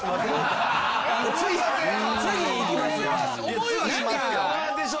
思いはしますよ。